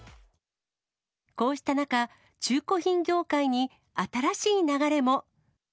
こうした中、中古品業界に新しい流れも。